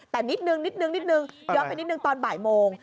แต่นิดนึงเดี๋ยวไปนิดนึงตอนบ่ายโมง